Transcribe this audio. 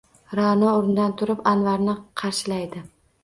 Ra’no o’rnidan turib Anvarni qarshilaydi.